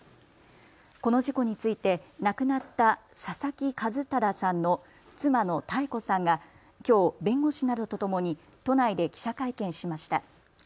この事故について亡くなった佐々木一匡さんの妻の多恵子さんがきょう弁護士などとともに都内で記者会見しました。